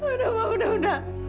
udah pak udah udah